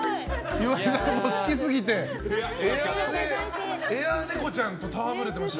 岩井さん、好きすぎてエアネコちゃんと戯れてました。